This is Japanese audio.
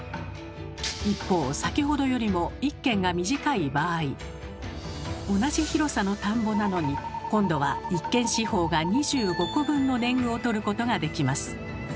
一方先ほどよりも１間が短い場合同じ広さの田んぼなのに今度は１間四方が２５個分の年貢をとることができます。